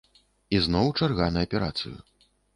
І зноў чарга на аперацыю.